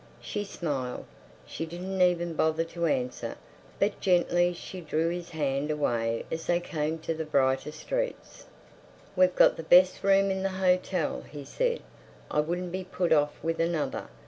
She smiled; she didn't even bother to answer, but gently she drew his hand away as they came to the brighter streets. "We've got the best room in the hotel," he said. "I wouldn't be put off with another.